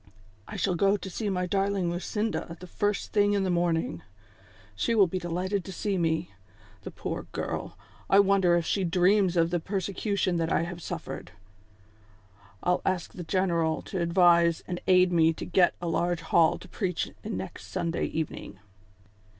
" I shall go to see my darling Lucinda the first thing in the morning ; she will be delighted to see me ! The poor girl, I wonder if she dreams of the persecution that I have suffered ? I'll ask the general to advise and aid me to get a large hall to preach in next Sunday evening